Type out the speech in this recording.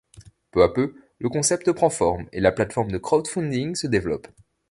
Peu à peu, le concept prend forme et la plateforme de crowdfunding se développe.